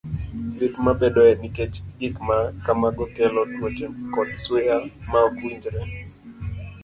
Lit ma bedoe nikech gik ma kamago kelo tuoche kod suya ma ok owinjore.